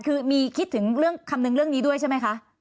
คือมีคิดถึงเรื่องคำนึงเรื่องนี้ด้วยใช่ไหมคะ